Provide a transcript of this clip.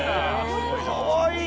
かわいい。